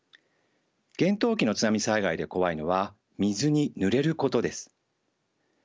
厳冬期の津波災害で怖いのは水にぬれることです。